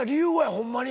ほんまに。